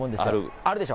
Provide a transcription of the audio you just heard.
あるでしょ。